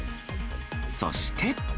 そして。